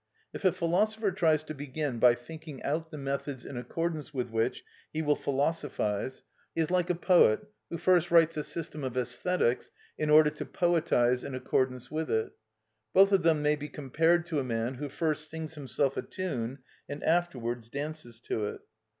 If a philosopher tries to begin by thinking out the methods in accordance with which he will philosophise, he is like a poet who first writes a system of æsthetics in order to poetise in accordance with it. Both of them may be compared to a man who first sings himself a tune and afterwards dances to it.